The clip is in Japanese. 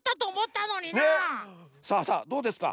さあさあどうですか？